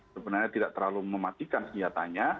sebenarnya tidak terlalu mematikan senjatanya